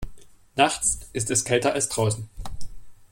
Nachts ist es kälter als draußen.